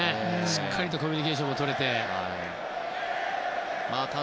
しっかりとコミュニケーションもとれています。